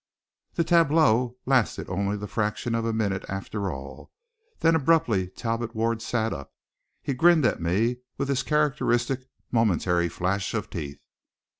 The tableau lasted only the fraction of a minute, after all. Then abruptly Talbot Ward sat up. He grinned up at me with his characteristic momentary flash of teeth.